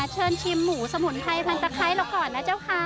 เชิญชิมหมูสมุนไพรพันตะไคร้เราก่อนนะเจ้าค่ะ